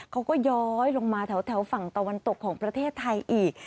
ย้อยลงมาแถวฝั่งตะวันตกของประเทศไทยอีก